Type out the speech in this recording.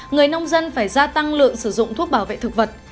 người nông dân phải gia tăng lượng sử dụng thuốc bảo vệ thực vật